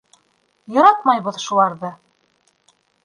Яратмайбыҙ шуларҙы!